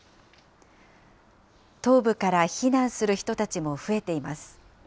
東部から避難する人たちも増えています。